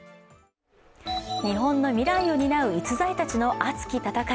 日本の未来を担う逸材たちの熱き戦い。